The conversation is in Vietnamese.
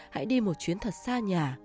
hãy đi một chuyến thật xa nhà